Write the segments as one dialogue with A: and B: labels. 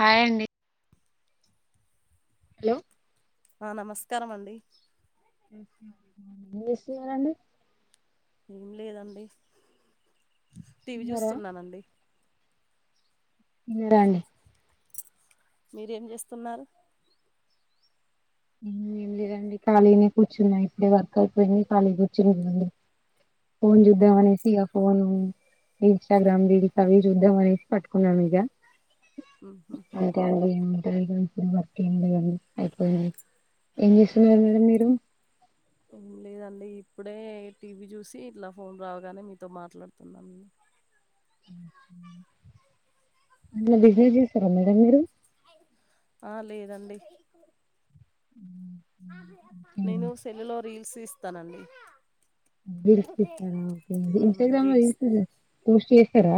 A: Hi అండి hello
B: ఆ నమస్కారం అండి
A: వినిపిస్తుందా అండి
B: ఏం లేదండి టీవీ
A: తిన్నారా
B: చూస్తున్నానండి
A: ఇంకా అండి
B: మీరేం చేస్తున్నారు
A: ఏం లేదండీ ఖాళీనే కూర్చున్నా ఇప్పుడే వర్క్ అయిపోయింది ఖాళీ కూర్చునా ఫోన్ చూదమనేసి ఇంకా ఫోన్ ఇన్స్టాగ్రామ్ రీల్స్ అవి చూద్దాం అనేసి పట్టుకున్నాం ఇక
B: ఉహు
A: [inaudible] ఏం చేస్తున్నారు మేడం మీరు
B: ఏం లేదండి ఇప్పుడే టీవీ చూసి ఇట్లా ఫోన్ రావగానే మీతో మాట్లాడుతున్నానుండి
A: న్న బిజీ చేస్తారా మేడం మీరు
B: ఆ లేదండి
A: ఉ
B: నేను సెల్లు లో రీల్స్ తీస్తాను అండి
A: రీల్స్ ఇస్తారాఓ ఇన్స్టాగ్రామ్ లో రీల్స్ పోస్ట్ చేస్తారా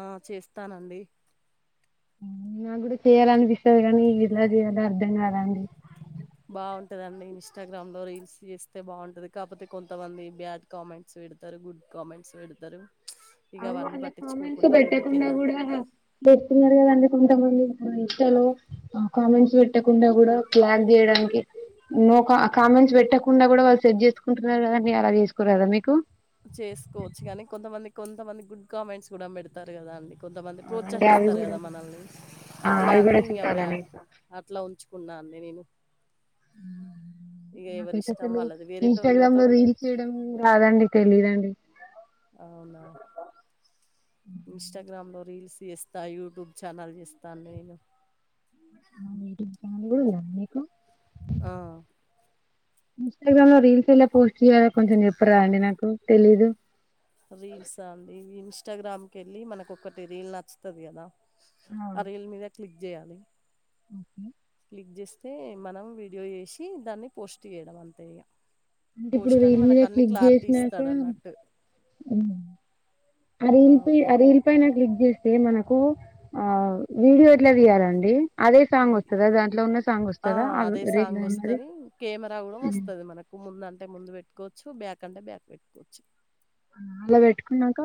B: ఆ చేస్తానండి
A: నాకు కూడా చేయాల అనిపిస్తుది కానీ ఇలా చేయలో అర్ధం కాదండి
B: ఉంటదండి ఇన్స్టాగ్రామ్ లో రీల్స్ చేస్తే బాగుంటది కాకపోతే కొంతమంది బ్యాడ్ కామెంట్స్ పెడతారు గుడ్ కామెంట్స్ పెడతారు ఇక
A: అవు అ
B: అవన్నీ
A: కామెంట్స్
B: పట్టించుకోకుండా
A: పెట్టకుండా
B: ముందుకెళ్ళాలి
A: కూడా పెడుతున్నారు కదా అ కొంతమంది ఇంస్టాలో కామెంట్స్ పెట్టకుండా కూడా బ్లాక్ చేయడానికి నో కా కామెంట్స్ పెట్టకుండా కూడా వాళ్ళు సెట్ చేసుకుంటున్నారు కద అండి అలా చేసుకో లేదా మీకు
B: చేసుకోవచ్చు కానీ కొంతమంది కొంతమంది గుడ్ కామెంట్స్ కూడా పెడతారు కదా అండి కొంతమంది
A: ఆ, అంటే అవి
B: ప్రోత్సహిస్తారు
A: కూడా
B: కదా మనల్ని
A: ఆ
B: అట్లా
A: అవి
B: అని
A: కూడా
B: ఇంక
A: చూడాలని
B: బ్యాడ్ అట్లా ఉంచుకున్నా అన్ని నేను ఇగ
A: నాకైతే
B: ఎవరిష్టం
A: అసలు
B: వాళ్ళది
A: ఇంస్టాగ్రామ్ లో
B: వేరేటోళ్ళతోటి
A: రీల్స్ చేయడం రాదండి తెలిదఅండి
B: అవునా ఇంస్టాగ్రామ్లో రీల్స్ చేస్తా యూట్యూబ్ ఛానల్ చేస్తాను నేను
A: యూట్యూబ్ కూడా ఉందా
B: ఆ
A: ఇంస్టాగ్రామ్ లో రీల్స్ ఎలా పోస్ట్ చేయలో కొంచెం చెప్పురా అండి నాకు తెలీదు
B: ఇంస్టాగ్రామ్ వెళ్ళి మనకు ఒకటి రీల్ నచ్చుతుంది కదా ఆ రీల్ మీద క్లిక్ చేయాలి
A: ఓకే
B: క్లిక్ చేస్తే మనం వీడియో వేసి దాన్ని పోస్ట్ చేయడం అంతే ఇగ
A: అంటే ఇప్పుడు
B: పోస్ట్ అని
A: రీల్ మీద
B: మనకు అన్ని
A: క్లిక్
B: క్లారిటీ
A: చేసినాక
B: ఇస్తాడు అన్నట్టు
A: రీల్స్ ఆ రీల్స్ పైన క్లిక్ చేస్తే అతే మనకు ఆ వీడియో ఎట్లా తీయాలండి అదే సాంగ్ వస్తదా దాంట్లో ఉన్న సాంగ్
B: ఆ
A: వస్తదా
B: అదే
A: రీల్
B: సాంగ్
A: ఉన్నది
B: వస్తుంది కెమెరా కూడా
A: హ్మ్.
B: వస్తుది మనకు ముందంటే అంటే ముందు పెట్టుకోవచ్చు బ్యాక్ అంటే బ్యాక్ పెట్టుకోవచ్చు
A: అలా పెట్టుకున్నాక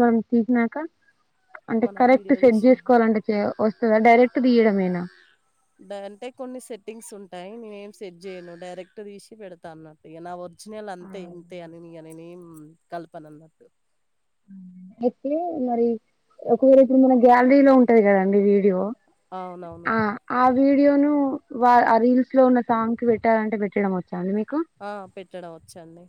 A: మనం తీసినాక అంటే
B: మనం
A: కరెక్ట్
B: వీడియో
A: సెట్
B: తీసినాక
A: చేసుకోవాలంటే వస్తుందా డైరెక్ట్ తీయడమేనా
B: అంటే కొన్ని సెట్టింగ్స్ ఉంటాయి నేను ఏం సెట్ చేయను డైరెక్ట్ తీసి పెడతా అన్నట్టు వచ్చినళ
A: ఆ!
B: అంతే ఇంతే అనిక నేనే కల్పన అన్నట్టు
A: అయితే మరి ఒకవేర ఇక్కడ మన గ్యాలరీ లో ఉంటది కదండి వీడియో
B: అవునవును
A: ఆ ఆ వీడియోను వా ఆ రీల్స్ లో ఉన్న సాంగ్ కి పెట్టాలంటే పెట్టడం వచ్చా అండి మీకు
B: ఆ పెట్టడం వచ్చండి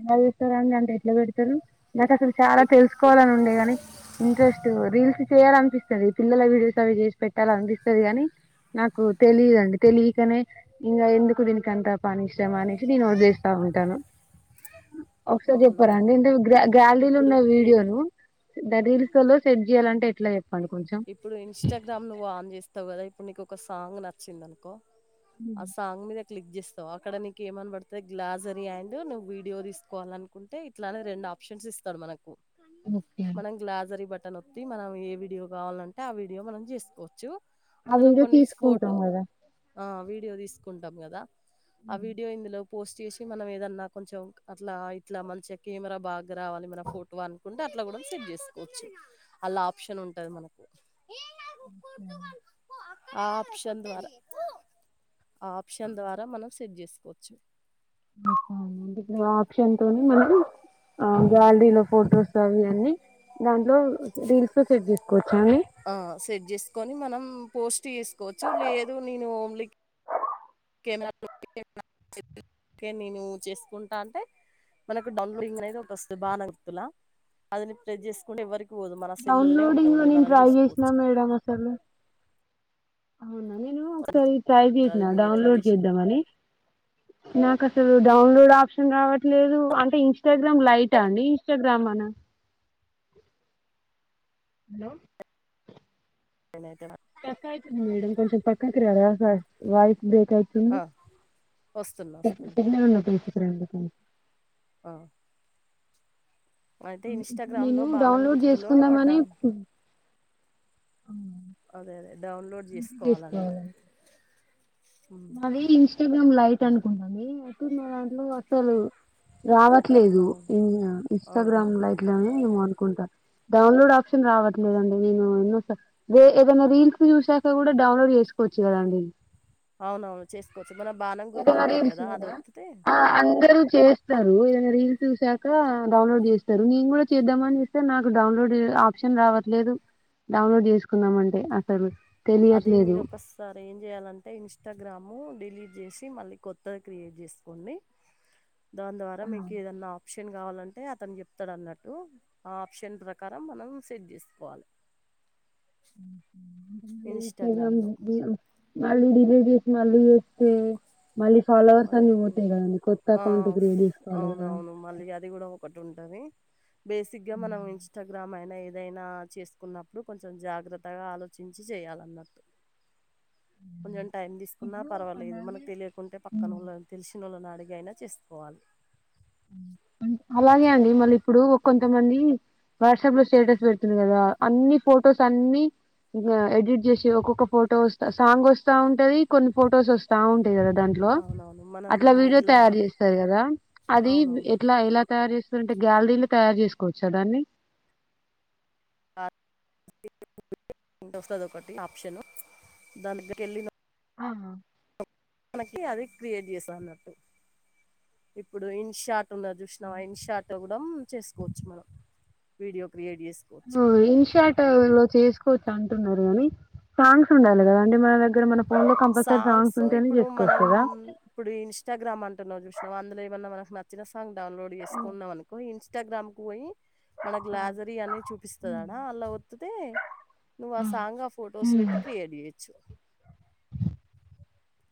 A: ఎలా చేస్తారు అండీ అంత ఎట్లా పెడతారు నాకు అసలు చాలా
B: ఇప్
A: తెలుసుకోవాలని ఉండే గాని ఇంట్రెస్ట్ రీల్స్ చేయాల అనిపిస్తుంది పిల్లల వీడియో తీసి చేసి పెట్టాల అనిపిస్తుంది గాని నాకు తెలిదండి తెలియకనే ఇంకా ఎందుకు దీనికింత పని కష్టం అనేసి నేను వదిలేస్తాను ఉంటాను ఒకసారి
B: అవునా
A: చెప్పారాండి ఇంటే గ్యాలరీలో
B: ఇప్పుడు
A: ఉన్న వీడియోను రీల్లో సెట్ చేయాలంటే ఎట్లా చెప్పాలి కొంచెం
B: అప్పుడు నీకు ఒక సాంగ్ నచ్చింది అనుకో ఆ సాంగ్ మీద క్లిక్ చేస్తావు అక్కడ నీకు ఏమన పడుతుంది గ్లాస్ అని అండ్ నువ్ వీడియో తీసుకోవాలనుకుంటే ఇట్లానే రెండు ఆప్షన్స్ ఇస్తాడు మనకు
A: ఓకే.
B: మనం గ్లాజరీ బటన్ వతి మనం ఏ వీడియో కావాలంటే ఆ వీడియో మనం చేసుకోవచ్చు
A: ఆ
B: అందులో
A: వీడియో
B: కొన్ని ఫోటో
A: తీసుకుంటాం కదా
B: ఆ వీడియో తీసుకుంటాం కదా ఆ వీడియో ఇందులో పోస్ట్ చేసి మనం ఏదన్నా కొంచెం అట్లా ఇట్లా మంచిగా కెమెరా బాగా దగ్గర రావాలి మన ఫోటో అనుకుంటే అట్లా కూడా సెడ్ చేసుకోవచ్చు అలా ఆప్షన్ ఉంటది మనకు ఆ ఆప్షన్ ద్వారా ఆ ఆప్షన్ ద్వారా మనం సెట్ చేసుకోవచ్చు
A: అ ఆప్షన్ తోనే మనీ ఆ
B: హ్మ్.
A: గ్యాలరీలో ఫొటోస్ అవి అన్నీ దాంట్లో రీల్స్ సెట్ చేసుకోవచ్చు
B: ఆ సెట్ చేసుకొని మనం పోస్ట్ చేసుకోవచ్చు లేదు నేను ఓమ్లీ కెమెరా తోటి నేను చేసుకుంటా అంటే మనకు డౌన్లోడింగ్ అనేది ఒక వస్తుంది భాను గుర్తుల దానిని ప్రెస్ చేసుకుంటే ఎవరికి పోదు మన సెల్లుల్నే ఉంటది
A: డౌన్లోడింగ్ లో
B: ఓన్లీ
A: నేను
B: మనం
A: ట్రై చేసినా
B: చూసుకోవచ్చు
A: మేడం అసలు అవునా నేను ఒకసారి ట్రై చేసిన
B: అది మీరు ఎట్లా
A: డౌన్లోడ్
B: చేసిల్లు
A: చేద్దామ అని నాకు అసలు డౌన్లోడ్ ఆప్షన్ రావట్లేదు అంటే ఇన్స్టాగ్రామ్ లైట్ అండి ఇన్స్టాగ్రామ్ అనా హలో
B: నేనైతే
A: స్ట్రక్ అవుతుంది వాయిస్ మేడం కొంచెం పక్కకు రారా బ్రేకాతు
B: ఆ వస్తున్నా
A: ట
B: వస్తున్నా
A: టెక్నవ లో పైస క
B: ఆ అయితే
A: ఇ
B: ఇన్స్టాగ్రామ్
A: నేను
B: లో బాణం
A: డౌన్లోడ్
B: గుర్తులో
A: చేసుకుందామని
B: డౌన్ అదే అదే డౌన్లోడ్ చేసుకోవాలన్నీ
A: నాదే ఇన్స్టాగ్రామ్ లైట్ అనుకుంటాంది అయితే మా దాంట్లో అసలు రావట్లేదు
B: అవును
A: ఇన్
B: అవునా
A: ఇన్స్టాగ్రామ్ లైట్ లో ఈ మ నుకుంట డౌన్లోడ్ ఆప్షన్ రావట్లేదండి నేను ఎన్నో ఏదైనా రీల్స్ చూసాక కూడా డౌన్లోడ్ చేసుకోవచ్చు కదాండి
B: అవునవును చేసుకోవచ్చు మనం బాణం
A: ఏదైనా
B: గుర్తుంటుంది
A: రీల్స్
B: కదా ఆది
A: కూడా
B: నోకితే
A: ఆ అందరూ చేస్తారు ఏదైనా రీల్స్ చూసాక డౌన్లోడ్ చేస్తారు నేను కూడా చేద్దామని చేస్తే నాకు డౌన్లోడ్ ఆప్షన్ రావట్లేదు డౌన్లోడ్ చేసుకుందాం అంటే ఆ సర్వీస్
B: అది మీరు ఒకసారి ఏం చెయాలంటే ఇన్స్టాగ్రాము డిలీట్ చేసి మళ్ళీ కొత్తది క్రియేట్ చేసుకోండి దాని ద్వారా మీకు ఏదనా ఆప్షన్ కావాలంటే అతను చెప్తాడు అన్నట్టు ఆ ఆప్షన్ ప్రకారం మనం సెట్ చేసుకోవాలి ఇన్స్టాగ్రామ్లో
A: మళ్ళీ డిలీట్ చేసి మళ్ళీ [inaudible] మళ్ళీ ఫాలోవర్స్ అన్ని
B: మనకు
A: పోతాయి కదండీ కొత్త
B: ఆ
A: అకౌంట్కి లేడస్
B: ఫ్-
A: కదా
B: అవునవును బేసిక్ గా మనం ఇన్స్టాగ్రామ్ అయినా ఏ దైనా చేసుకున్నప్పుడు కొంచెం జాగ్రత్తగా ఆలోచించి చేయాలన్నట్టు కొంచెం టైం తీసుకున్నా
A: ఇప్పుడు అలాగే
B: పర్వాలేదు మనకు తెలియకుంటే పక్కన వాళ్ళ తెలిసినోలను అడిగి ఐనా చేసుకోవాలి
A: అలాగే
B: అట్లా
A: అండి మళ్ళీ ఇప్పుడు కొంతమంది వాట్సాప్ లో స్టేటస్ పెడుతుంది కదా అన్ని ఫొటోస్ అన్ని ఇ ఎడిట్ చేసి ఒక్కొక్క ఫోటో వస్తా సాంగ్ వస్తా ఉంటది కొన్ని ఫొటోస్ వస్తా ఉం టాయి కదా దాంట్లో
B: అవునవును మనం
A: అట్లా వీడియో
B: గ్లా
A: తయారుచేస్తాది కదా అది
B: అవునవును
A: ఎట్లా ఎలా తయా రు చేస్తారు గ్యాలరీలు తయారు చేసుకోవచ్చ దాన్ని
B: [inaudible] వస్తది ఒకటి ఆప్షను దాని దగ్గరికి వెళ్ళిన
A: ఆహ
B: మనకి అది క్రియేట్ చేస్తా అన్నట్టు ఇప్పుడు ఇన్ షార్ట్ ఉనది చూసినవ ఇన్ షట్లో కూడా చేసుకోవచ్చు మనం వీడియో క్రియేట్ చేసుకోవచ్చు
A: ఆ ఇన్స్ షాట్లు చేసుకోవచ్చు అం టున్నారు అవి సాంగ్స్ ఉండాలి కదండీ మన దగర మనం
B: సాంగ్స్ ఇప్పుడు మనం
A: కదా!
B: ఇప్పుడు ఇన్స్టాగ్రామ్ అంటున్నా చూసినవ అందులో ఏమన్నా మన నచ్చిన సాంగ్ డౌన్లోడ్ చేసుకున్నాం అనుకో ఇన్స్టాగ్రామ్ కు పోయి మన గ్లాజరీ అని చూపిస్తదడా అలా వతిత్తే నువ్వా ఆ సాంగ్ ఆ ఫోటోస్
A: హ్మ్.
B: పెట్టి క్రియేట్ చేయొచ్చు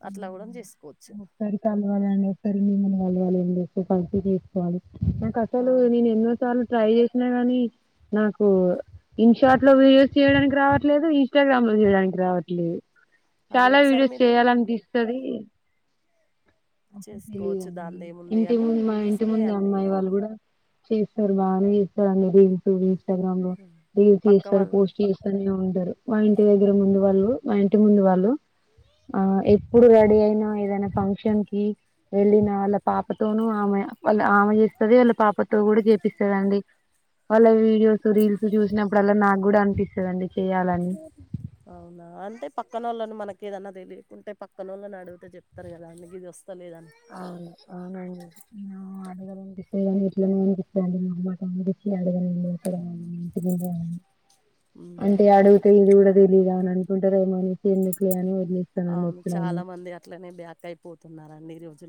B: అట్లా కూడా చేసుకోవచ్చు
A: ఒకసారి చలవాల అండి ఒకసారి మిమల్ని [unintelligible] చేసుకోవాలి నాకు అసలు
B: ఆ,
A: నేను ఎన్నో సార్లు ట్రై చేసినా గాని నాకు ఇన్ షార్ట్ లో వీడియోస్ చేయడానికి రావట్లేదు ఇన్స్టాగ్రామ్ లో చేయడానికి రావటలేదు
B: అదే ఒకసారి మీరు
A: అది అసలు
B: చేసుకోవచ్చు
A: తెలీదండి
B: దాందేముంది
A: ఇంటి
B: అని
A: ముందు మా ఇంటి
B: ఈజీయే
A: ముందు
B: అండి
A: అమ్మాయి వాళ్ళు కూడా చేస్తారు బాగానే చేస్తారు అని రీల్స్ ఇన్స్టాగ్రామ్ లో రీల్స్
B: పక్క
A: చేస్తారు
B: వాళ్ళు
A: పోస్ట్ చేస్తానే ఉం మా ఇంటి దగ్గర ముందు వాళ్ళు మా ఇంటి ముందు వాళ్ళు ఆ ఎప్పుడు రెడీ అయినా ఏదైనా ఫంక్షన్ వెళ్ళిన వాళ్ళ పాపతోనూ ఆమె వాళ్ళ ఆమె చేసి చేస్తదీ వాళ్ళ పాపతో కూడా చేపిస్తదండి వాళ్ళ వి డియోస్ రీల్స్ చూసినప్పుడల్లా నాకు కూడా అనిపిస్తుందండి చెయాలని
B: అవునా అంటే పక్కన వాళ్ళను మనకి ఏదన్నా తెలియకుంటే పక్కన వాళ్ళని అడిగితే చెప్తారు కదా అన్నగి ఇది వస్త
A: అవును అవునండి అనిపిస్తే కానీ ఇట్లనే అనిపిస్తాడి మా అమ్మాట అనిపిస్త అడుగండి అక్కడ
B: ఉమ్
A: అంటే అడుగుతే ఇది కూడా తెలీయదు అని అనుకుంటార ఏమోని ఎందుకులే అని వదిలేస్తానండి
B: అవును
A: ఎప్పుడైనా
B: చాలా మంది అట్లనే బ్యాక్ అయిపోతున్నారండి జ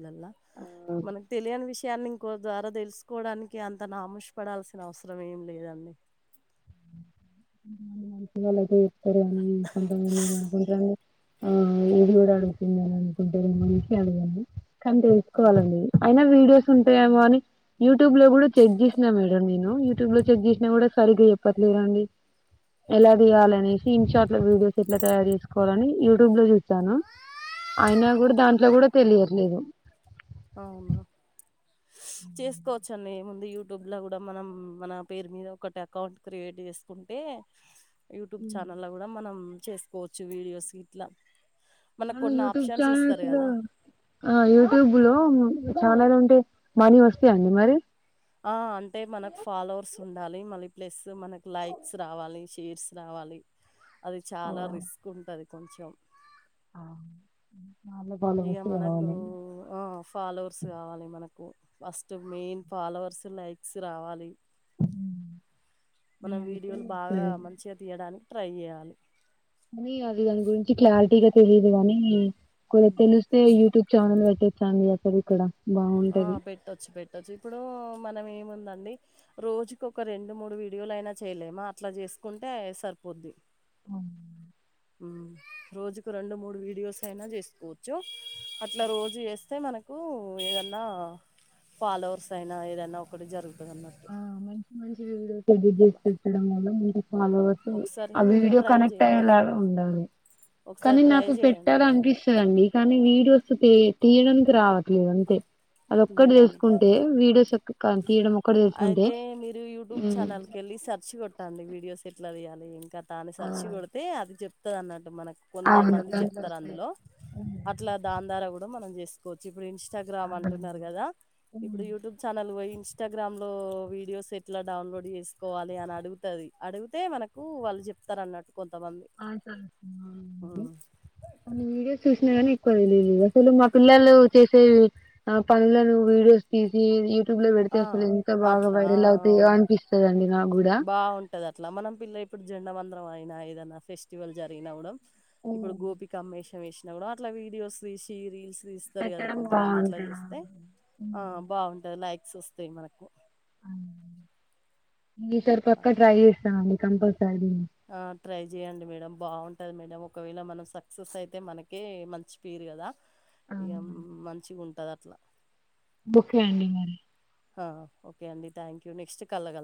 A: ఆ,
B: మనకి తెలియని విషయం న్ని ఇంకో ద్వారా తెలుసుకోవడానికి అంత నమూషి పడాల్సిన అవసరం ఏం లేదండి
A: అ [inaudible] కొ నేను అనుకుంట ఆ ఇది కూడా అడుగుతుంద అని అనుకుంటరెమో అనిసి అడగాను కానీ
B: ఆ
A: తెలుసుకోవాలండి అయినా వీడియోస్ ఉంటాయేమో అని యూట్యూబ్ లో కూడా చెక్ చేసినా మేడం నేను యూట్యూబ్ లో చెక్ చేసినా కూడా సరిగా చెప్పట్లేదుండి [inaudible] ఎలా తీయాలనేసి ఇన్షార్ట్ లో వీడియోస్ ఎట్లా తయారు చేసుకోవాలని యూట్యూబ్ లో చూస్తానా అయినా కూడా దాంట్లో కూడా తెలియర్లేదు
B: అవునా చేసుకోవచ్చు ఏం ఉంది యూట్యూబ్ లో కూడా మనం మన పేరు మీద ఒకటి అకౌంట్ క్రియేట్ చేసుకుంటే యూట్యూబ్ ఛానల్ లో కూడా మనం చేసుకోవచ్చు వీడియోస్ ఇట్లా మనకు
A: ఎను
B: కొన్ని
A: యూట్యూబ్
B: ఆప్షన్స్
A: చానల్
B: ఇస్తారు
A: లో
B: కదా
A: యూట్యూబ్ లో ఛానెల్ ఉంటే మనీ వస్తాయండి మరి
B: ఆ అంటే మనకు ఫాలోవర్స్ ఉండాలి మళ్ళీ ప్లస్ మనకి లైక్స్ రావాలి షేర్స్ రావాలి అది చాలా రిస్క్ ఉంటుంది కొంచెం
A: ఆ
B: ఇక మనకు ఆ ఫాలోవర్స్ కావాలి మనకు ఫస్ట్ మెయిన్ ఫాలోవర్స్ లైక్స్ రావాలి మనం
A: నేనయితే
B: వీడియోలు బాగా మంచిగా తీయడానికి ట్రై చేయాలి
A: అని అది దాని గురించి క్లారిటీగా తెలియదు కానీ కొ
B: ఉమ్.
A: తెలిస్తే యూట్యూబ్ ఛానెల్ పెట్టచ్చు అండి అక్కడ ఇ కూడా
B: ఆ పెట్టొచ్చు పెట్ చ్చ ఇప్పుడు మనం ఏముందండి రోజుకి ఒక రెండు మూడు వీడియోలు అయినా చేయలేమా అట్లా చేస్తే తీసుకుంటే సరిపోద్ది రోజుకు రెండు మూడు వీడియోస్ అయినా చేసుకోవచ్చు అట్లా రోజు చేస్తే మనకి ఏదన్నా ఫాలోవర్స్ అయినా ఏదనా ఒకటి జరుగుతుంది అన్నట్టు
A: మంచిగా వీడియోస్ ఎడిట్ చేసి పెట్టడం వల్ల ఫాలోయర్స్
B: ఒకసారి
A: ఆ
B: మీరు
A: వీడియో
B: ట్రై
A: కనెక్ట్
B: జేయండి.
A: అయలా ఆ ఉండాలీ
B: ఒకసారి
A: కానీ
B: ట్రై
A: నాకు
B: జేయండి
A: పెట్టాల
B: మేడం.
A: అనిపిస్తుదండి కానీ వీడియో అ తీయడానికి రావట్లేదు అంతే అది ఒక్కటి
B: తీయడానికి రా
A: తెలుసుకుంటే వీడియోస్ తీయడం ఒక్కటి తెలుసుకుంటే
B: అయితే మీరు యూట్యూబ్
A: హ్మ్.
B: ఛానల్ క వెళ్ళి సెర్చ్ కొట్టండి వీడియోస్ ఎట్లా చేయాలి ఏం తాని
A: ఆ
B: సర్చి కొడితే అది చెప్తది అన్నట్టు మనకు కొంద
A: అవును
B: మంది
A: దాంట్లో
B: చెప్తారు
A: వస్తాయి
B: అందులో
A: హ్మ్.
B: అట్లా దాన్ ద్వారా కూడా మనం చేసుకోవచ్చు ఇప్పుడు ఇన్స్టాగ్రామ్ అంటున్నారు కదా
A: హ్మ్.
B: ఇప్పుడు యూట్యూబ్ ఛానల్ పోయి ఇస్టా గ్రామ్ లో వీడియోస్ ఎట్లా డౌన్లోడ్ చేసుకోవాలి అని అడుగుతుంది అడిగితే మనకు వాళ్ళు చెప్తారు అన్నట్టు
A: ఆ
B: హ్మ్.
A: వీడియోస్ చూసినా కనీ ఎక్కువ తెలియదు అసలు మా పిల్లలు చేసే ఆ పనులను వీడియోస్ తీసి ట్యూబ్ లో పెడితే
B: ఆ!
A: అసలు ఎంత బాగా వైరల్ అవుతాయో అనిపిస్తుంది అండి నా
B: బాగుంటది అట్లా మనం పిల్ల ఇప్పుడు జెండ మందరం అయినా ఏదనా ఫెస్టివల్ జరిగినవ్వడం ఇప్పుడు గోపికమ్మ వేషం వేసినా కూడా అట్లా వీడియోస్ తీసి రీల్స్ తీస్తారు కదా
A: పెట్టడం
B: కొంతమంది అట్లా
A: బాగుంటది
B: చేూస్తే ఆ బాగుంటుంది లైక్స్ వస్తాయి మనకు
A: ఈ సరిపక్క ట్రై చేస్తామండి కంపల్సరీ
B: ఆ ట్రై చెయండి మేడం బాగుంటది మేడం ఒకవేళ మనం సక్సెస్ అయితే మనకే మంచి పీరు కదా ఇగ
A: అవునండి.
B: మంచిగుంటది అట్లా
A: ఒకే అండి మరి
B: ఓకే అండి థ్యాంక్ యు నెక్స్ట్ కాల్ లో కలు